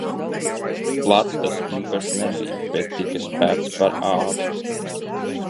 Plats tas īpaši nebija, bet tika sperts par ātru.